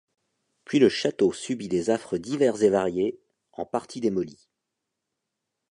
Puis le château subit des affres divers et variés, en partie démoli.